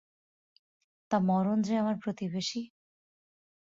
তা মরণ যে আমার প্রতিবেশী।